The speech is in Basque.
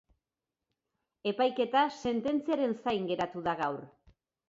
Epaiketa sententziaren zain geratu da gaur.